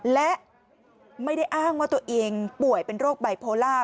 และไม่ได้อ้างว่าตัวเองป่วยเป็นโรคไบโพล่า